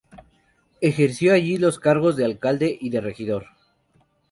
Ejerció allí los cargos de alcalde y de regidor.